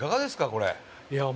これ。